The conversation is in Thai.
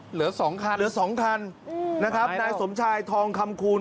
เหลือ๒คันนะครับนายสมชายทองคำคูณ